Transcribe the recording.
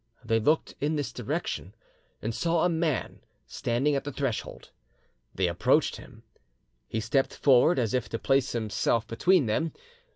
They looked in this direction, and saw a man standing at the threshold; they approached him. He stepped forward, as if to place himself between them.